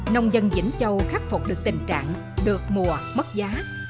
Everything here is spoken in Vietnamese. nông dân vĩnh châu khắc phục được tình trạng được mùa mất giá